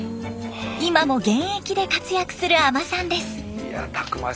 今も現役で活躍する海人さんです。